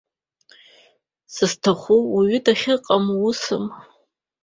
Сызҭаху уаҩ дахьыҟам усым.